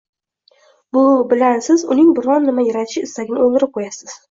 Bu bilan siz uning biron nima yaratish istagini “o‘ldirib” qo‘yasiz.